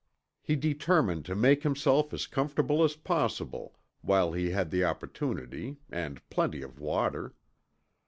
He determined to make himself as comfortable as possible while he had the opportunity and plenty of water.